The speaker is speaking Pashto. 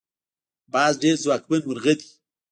باز ډیر ځواکمن مرغه دی